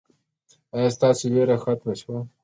ایا ستاسو ویره ختمه شوه؟